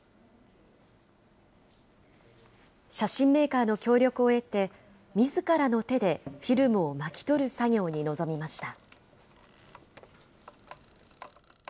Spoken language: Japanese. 写真メーカーの協力を得て、みずからの手でフィルムを巻き取る作業に臨みました。